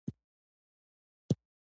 د کراچۍ بندر ستونزې څه دي؟